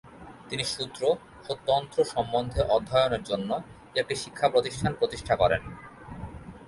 তিনি সূত্র ও তন্ত্র সম্বন্ধে অধ্যয়নের জন্য একটি শিক্ষাপ্রতিষ্ঠানের প্রতিষ্ঠা করেন।